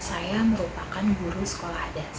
saya merupakan guru sekolah yang berbunyi di indonesia